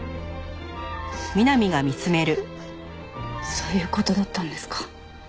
そういう事だったんですか。